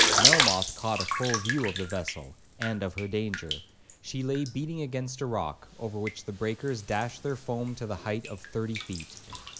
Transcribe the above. Melmoth caught a full view of the vessel, and of her danger. She lay beating against a rock, over which the breakers dashed their foam to the height of thirty feet.